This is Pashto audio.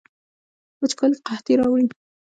وچکالي قحطي راوړي